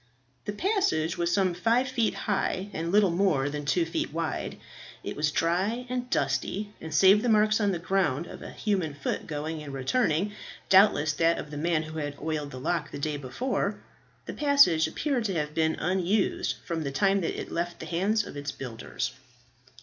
The passage was some five feet high, and little more than two feet wide. It was dry and dusty, and save the marks on the ground of a human foot going and returning, doubtless that of the man who had oiled the lock the day before, the passage appeared to have been unused from the time that it left the hands of its builders.